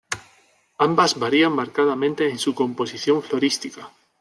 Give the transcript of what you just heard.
Ambas varían marcadamente en su composición florística.